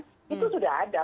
itu sudah ada